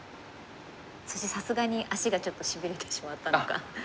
そしてさすがに足がちょっとしびれてしまったのか。